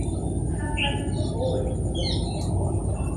¿jafaikɨ ooitɨo.?